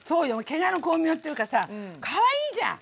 けがの功名っていうかさかわいいじゃん。